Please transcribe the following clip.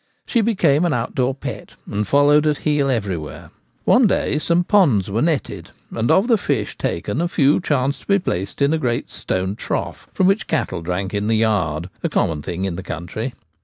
She became an outdoor pet, and followed at heel everywhere. One day some ponds were netted, and of the fish taken a few chanced to be placed in a great stone trough from which cattle drank in the yard — a common thing in the country.